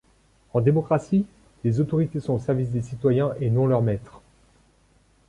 En démocratie, les autorités sont au service des citoyens et non leur maître.